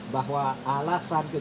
bahwa alasan kegiatan